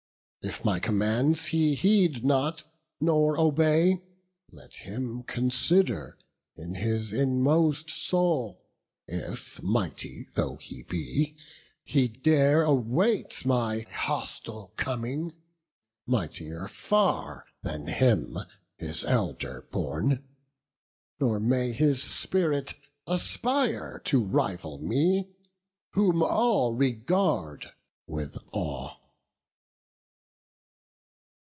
If my commands he heed not, nor obey, Let him consider in his inmost soul If, mighty though he be, he dare await My hostile coming; mightier far than him, His elder born; nor may his spirit aspire To rival me, whom all regard with awe."